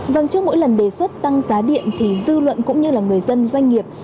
vâng trước mỗi lần đề xuất tăng giá điện thì dư luận cũng như là người dân doanh nghiệp